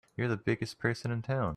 You're the biggest person in town!